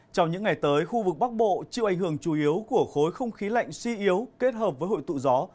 trong những ngày tới khu vực bắc bộ chịu ảnh hưởng chủ yếu của khối không khí lạnh suy yếu kết hợp với hội tụ gió